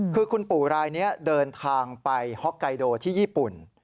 คือคุณปู่รายนี้เดินทางไปฮอกไกโดที่ญี่ปุ่น